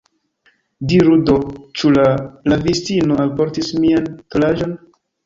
Diru do, ĉu la lavistino alportis mian tolaĵon?